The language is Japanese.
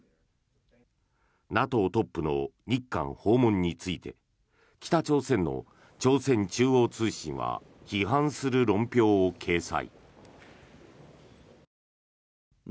ＮＡＴＯトップの日韓訪問について北朝鮮の朝鮮中央通信は批判する論評を掲載。